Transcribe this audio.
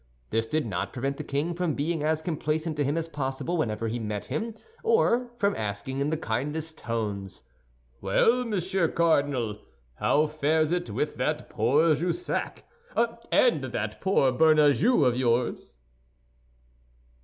This did not prevent the king from being as complacent to him as possible whenever he met him, or from asking in the kindest tone, "Well, Monsieur Cardinal, how fares it with that poor Jussac and that poor Bernajoux of yours?"